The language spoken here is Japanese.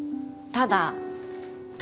ただ？